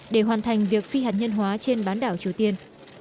để hoàn thành việc phi hạt nhân hóa trên bán đảo triều tiên